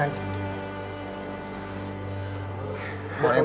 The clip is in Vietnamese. bọn em cảm ơn anh